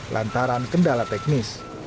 lantaran kendala teknis